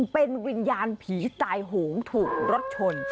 เป็นวิญญาณผีตายโหงถูกรถชน